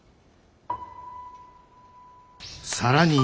更に。